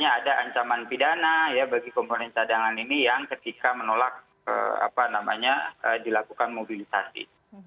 ada ancaman pidana ya bagi komponen cadangan ini yang ketika menolak dilakukan mobilisasi